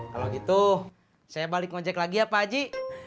kalau gitu saya balik ngonjek lagi ya pak haji